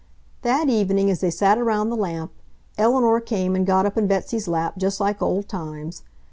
That evening, as they sat around the lamp, Eleanor came and got up in Betsy's lap just like old times.